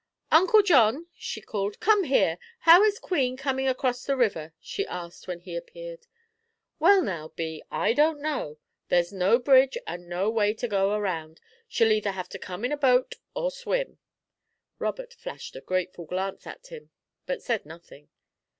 "Uncle John," she called, "come here! How is Queen coming across the river?" she asked, when he appeared. "Well, now, Bee, I don't know. There's no bridge and no way to go around. She'll either have to come in a boat or swim." Robert flashed a grateful glance at him, but said nothing.